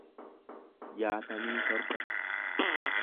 jaatamii torba